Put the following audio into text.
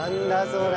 それ！